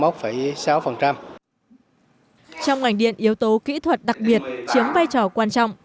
trong ngành điện yếu tố kỹ thuật đặc biệt chiếm vai trò quan trọng